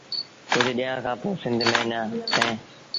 ڪجھ ڏيٚݩهآݩ کآݩ پو سنڌ ميݩآيآ سيٚݩ ۔